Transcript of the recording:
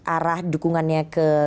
arah dukungannya ke